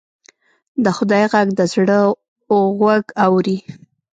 د خدای غږ د زړه غوږ اوري